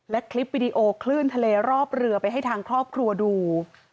และคลิปวิดีโอคลื่นทะเลรอบเรือไปให้ทางครอบครัวดู